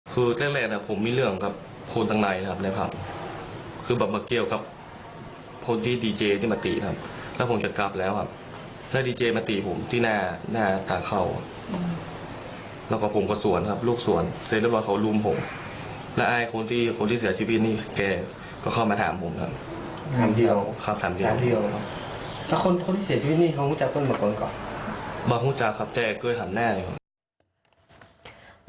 คือแรงแรงผมมีเรื่องครับคนต่างในครับในภาพคือแบบเมื่อเกียวครับคนที่ดีเจที่มาตีครับแล้วผมจะกลับแล้วครับแล้วดีเจมาตีผมที่หน้าหน้าตาเข้าแล้วกับผมก็ส่วนครับลูกส่วนเสร็จเรียบร้อยเขารุมผมแล้วอายคนที่คนที่เสียชีวิตนี้แกก็เข้ามาถามผมครับถามเดียวครับถามเดียวครับถามเดียวครับแล้วคนคนที่เสียชีวิตนี้เข